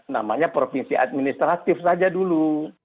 namanya provinsi administratif saja dulu